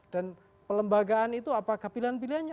dan pelembagaan itu apakah pilihan pilihannya